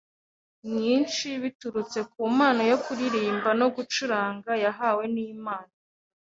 mwinshi biturutse ku mpano yo kuririmba no gucuranga yahawe n’Imana